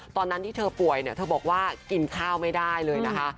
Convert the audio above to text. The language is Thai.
ตอนนั้นที่เธอป่วยเนี่ยเธอบอกว่ากินข้าวไม่ได้เลยนะคะ